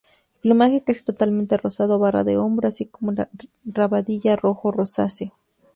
Plumaje casi totalmente rosado, barra del hombro, así como la rabadilla rojo rosáceo.